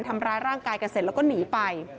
ทำร้ายร่างกายกันเสร็จแล้วก็หนีไป